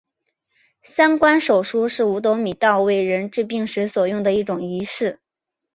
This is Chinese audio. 三官手书是五斗米道为人治病时所用的一种仪式。